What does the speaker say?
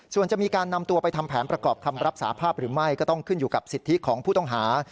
ส่วนจะมีการนำตัวไปทำแผนประกอบคำรับสาภาพหรือไม่ก็ต้องขึ้นอยู่กับสิทธิของผู้ต้องหา